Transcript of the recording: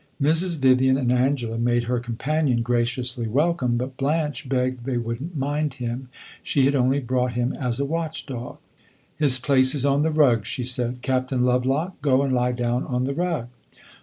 Mrs. Vivian and Angela made her companion graciously welcome; but Blanche begged they would n't mind him she had only brought him as a watch dog. "His place is on the rug," she said. "Captain Lovelock, go and lie down on the rug."